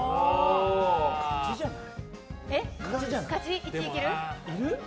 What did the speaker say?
勝ちじゃない？